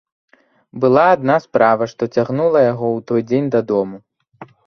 Была адна справа, што цягнула яго ў той дзень дадому.